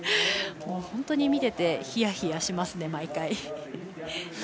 本当に見ていてひやひやしますね、毎回。